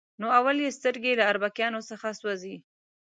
نو اول یې سترګې له اربکیانو څخه سوځي.